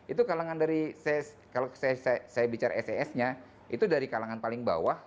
itu kalangan dari kalau saya bicara ses nya itu dari kalangan paling bawah